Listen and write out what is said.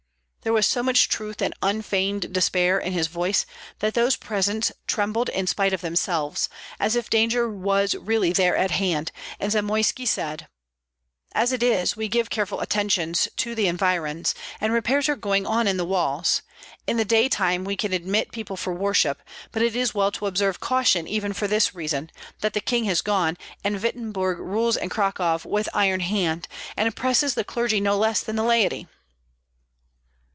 There was so much truth and unfeigned despair in his voice that those present trembled in spite of themselves, as if danger was really there at hand, and Zamoyski said, "As it is, we give careful attention to the environs, and repairs are going on in the walls. In the day time we can admit people for worship; but it is well to observe caution even for this reason, that the king has gone, and Wittemberg rules in Cracow with iron hand, and oppresses the clergy no less than the laity."